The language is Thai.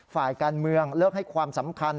ฝ่ายการเมืองเลิกให้ความสำคัญ